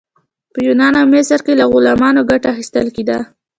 په یونان او مصر کې له غلامانو ګټه اخیستل کیده.